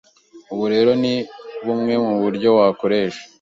ubu rero ni bumwe mu buryo wakoresha